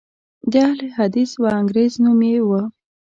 د اهل حدیث وانګریز نوم یې و.